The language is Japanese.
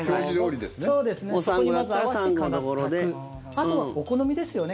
あとはお好みですよね。